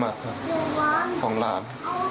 ตุ้นติสมัครของหลาน